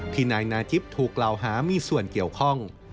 ที่นายนาจิปต์ถูกเล่าหามีส่วนเกี่ยวข้อง